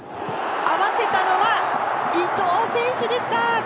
合わせたのは伊東選手でした！